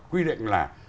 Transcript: quy định là